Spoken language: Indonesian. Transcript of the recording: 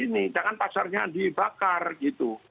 jangan pasarnya dibakar gitu